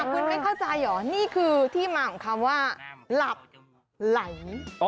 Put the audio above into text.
คุณไม่เข้าใจเหรอนี่คือที่มาของคำว่าหลับไหล